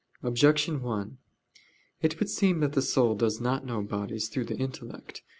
Objection 1: It would seem that the soul does not know bodies through the intellect.